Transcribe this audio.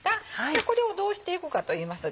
これをどうしていくかといいますとですね